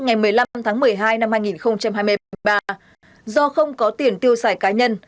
ngày một mươi năm tháng một mươi hai năm hai nghìn hai mươi ba do không có tiền tiêu xài cá nhân